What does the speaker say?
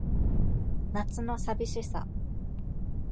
夏の淋しさ